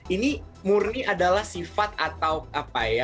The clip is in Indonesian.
ini murni adalah sifat atau apa ya